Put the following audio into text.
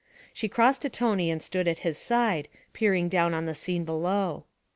She crossed to Tony and stood at his side, peering down at the scene below.